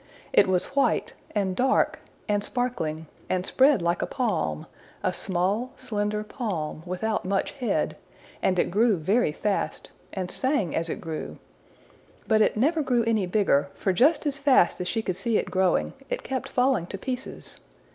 It was white, and dark, and sparkling, and spread like a palm a small slender palm, without much head; and it grew very fast, and sang as it grew. But it never grew any bigger, for just as fast as she could see it growing, it kept falling to pieces.